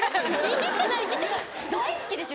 いじってないいじってない大好きですよ